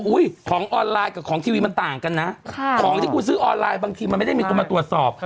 ของออนไลน์กับของทีวีมันต่างกันนะของที่คุณซื้อออนไลน์บางทีมันไม่ได้มีคนมาตรวจสอบ